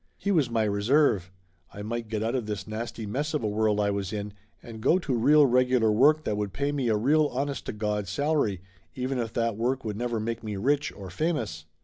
He was my reserve. I might get out of this nasty mess of a world I was in, and go to real regular work that would pay me a real honest to Gawd salary, even if that work would never make me rich or famous.